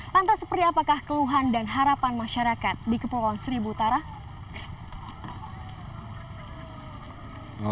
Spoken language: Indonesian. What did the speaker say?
lantas seperti apakah keluhan dan harapan masyarakat di kepulauan seribu utara